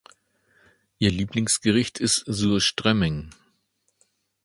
Ihr Lieblingsgericht ist Surströmming.